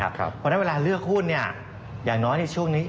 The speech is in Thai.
เพราะฉะนั้นเวลาเลือกหุ้นเนี่ย